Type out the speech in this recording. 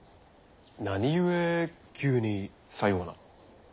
何故急にさような。